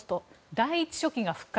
第１書記が復活。